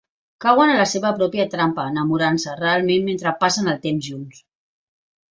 Cauen a la seva pròpia trampa enamorant-se realment mentre passen el temps junts.